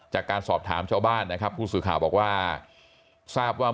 จากการสอบถามชาวบ้านนะครับผู้สื่อข่าวบอกว่าทราบว่า